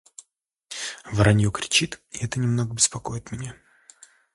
Воронье кричит, и это немного беспокоит меня.